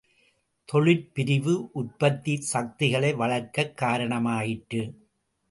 தொழிற் பிரிவு, உற்பத்திச் சக்திகளை வளர்க்கக் காரணமாயிற்று.